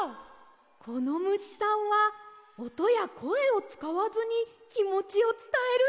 このむしさんはおとやこえをつかわずにきもちをつたえるんですね。